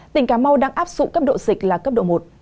tỉnh cà mau đang áp dụng cấp độ dịch là cấp độ một